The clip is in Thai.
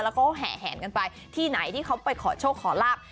แล้วก็แห่แหนกันไปที่ไหนที่เขาไปขอโชคขอลาบ